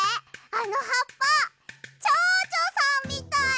あのはっぱちょうちょさんみたい。